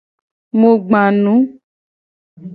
Mu gba nu.